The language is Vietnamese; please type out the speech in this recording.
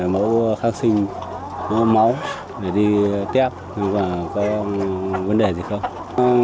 mẫu khăn sinh mẫu máu để đi tiếp có vấn đề gì không